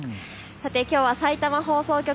きょうはさいたま放送局